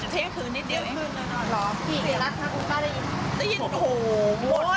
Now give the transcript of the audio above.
เสียงคืนนิดเดียวไอ้คุณแล้วนอนร้อง